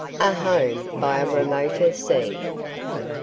A HOME BY A REMOTER SEA.